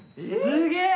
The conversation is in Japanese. すげえ！